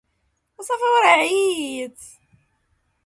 His research primarily focused on the history of Sylhet.